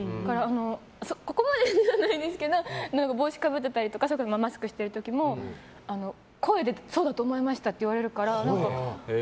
ここまでじゃないんですけど帽子かぶってたりとかマスクしてる時も声でそうだと思いましたって言われるから。